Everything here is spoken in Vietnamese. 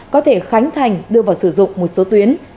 có thể khánh thành đưa vào sử dụng một số tuyến